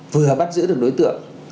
vừa bắt giữ được đối tượng